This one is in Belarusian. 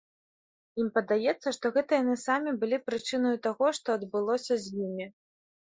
Ім падаецца, што гэта яны самі былі прычынаю таго, што адбылося з імі.